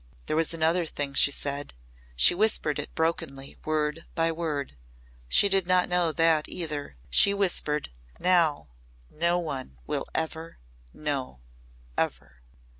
"There was another thing she said. She whispered it brokenly word by word. She did not know that, either. She whispered, 'Now no one will ever know ever.'"